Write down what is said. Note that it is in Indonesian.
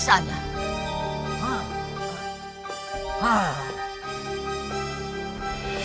sangat teruk kita